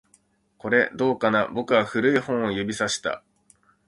これ、どうかな？僕はその古い本を指差した